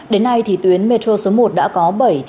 đến nay thì tuyến metro số một đã có